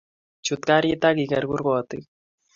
Chuut karit agigeer kurkotik